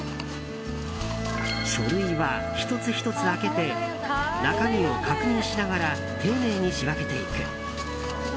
書類は、１つ１つ開けて中身を確認しながら丁寧に仕分けていく。